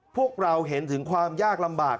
พวกเราเห็นถึงความยากลำบาก